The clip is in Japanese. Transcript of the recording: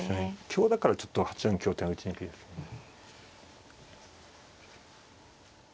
香だからちょっと８四香ってのは打ちにくいですね。